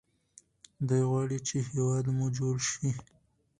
دی غواړي چې هیواد مو جوړ شي.